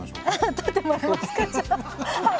取ってもらえますかじゃあ。